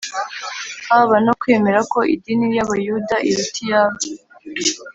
haba no kwemera ko idini y’Abayuda iruta iyabo